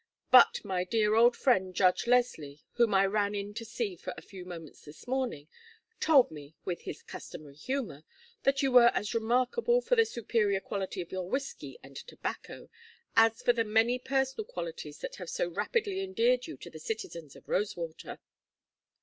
"But my dear old friend, Judge Leslie, whom I ran in to see for a few moments this morning, told me with his customary humor that you were as remarkable for the superior quality of your whiskey and tobacco as for the many personal qualities that have so rapidly endeared you to the citizens of Rosewater."